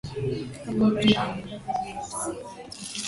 kama mtu mwenye mamlaka juu ya Taurati